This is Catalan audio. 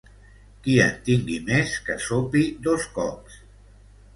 Qui en tingui més, que sopi dos cops.